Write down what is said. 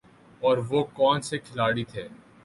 اور وہ کون سے کھلاڑی تھے ۔